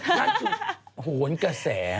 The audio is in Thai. โหเป็นกระแส